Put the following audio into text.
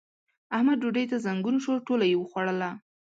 احمد ډوډۍ ته زنګون شو؛ ټوله يې وخوړله.